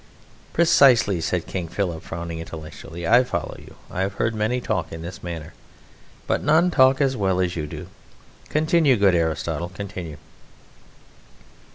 "Precisely," said King Philip, frowning intellectually; "I follow you. I have heard many talk in this manner, but none talk as well as you do. Continue, good Aristotle, continue."